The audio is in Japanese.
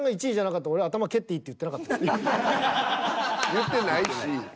言ってないし。